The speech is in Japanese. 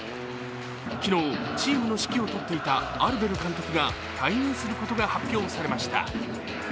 昨日、チームの指揮を執っていたアルベル監督が退任することが発表されました。